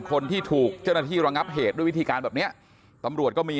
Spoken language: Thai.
คนที่ถูกเจ้าหน้าที่ระงับเหตุด้วยวิธีการแบบเนี้ยตำรวจก็มี